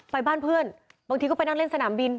ไปบ้านเพื่อนบางทีก็ไปนั่งเล่นสนามบิน